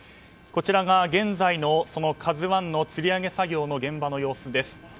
こちらが現在の「ＫＡＺＵ１」のつり上げ作業の現場の様子です。